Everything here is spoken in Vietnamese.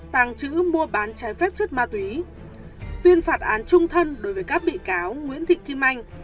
tàng trữ mua bán trái phép chất ma túy tuyên phạt án trung thân đối với các bị cáo nguyễn thị kim anh